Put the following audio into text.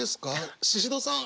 シシドさん